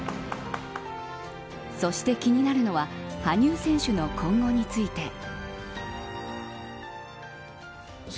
そして気になるのは羽生選手の今後について。